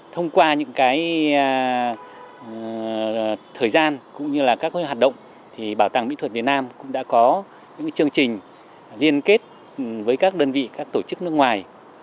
thông qua những thời gian cũng như là các hoạt động thì bảo tàng mỹ thuật việt nam cũng đã có những chương trình liên kết với các đơn vị các tổ chức nước ngoài